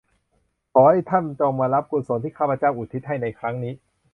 ขอให้ท่านจงมารับกุศลที่ข้าพเจ้าอุทิศให้ในครั้งนี้